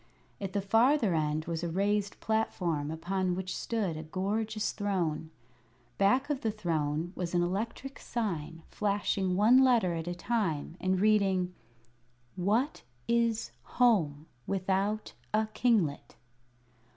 At the farther end was a raised platform upon which stood a gorgeous throne. Back of the throne was an electric sign, flashing one letter at a time, and reading: "What is Home without a kinglet?"